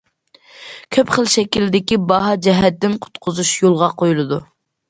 كۆپ خىل شەكىلدىكى‹‹ باھا جەھەتتىن قۇتقۇزۇش›› يولغا قويۇلىدۇ.